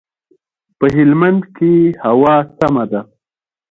په هلمند کښي هوا سمه ده.